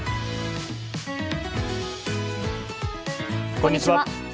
こんにちは。